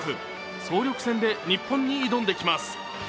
総力戦で日本に挑んできます。